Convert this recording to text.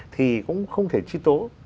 thì cũng không thể truy tố